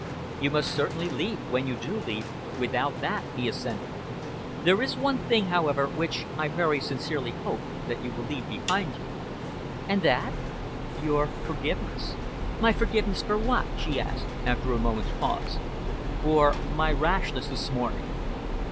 "You must certainly leave when you do leave without that," he assented. "There is one thing, however, which I very sincerely hope that you will leave behind you." "And that?" "Your forgiveness." "My forgiveness for what?" she asked, after a moment's pause. "For my rashness this morning."